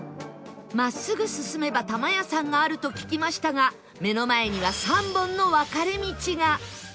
真っすぐ進めばタマヤさんがあると聞きましたが目の前には３本の分かれ道が